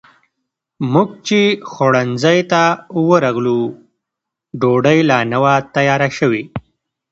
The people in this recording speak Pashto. موږ چې خوړنځای ته ورغلو، ډوډۍ لا نه وه تیاره شوې.